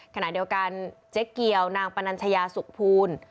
ขณะเดียวกันเจ๊เกียวนางปนัญชยาสุขภูล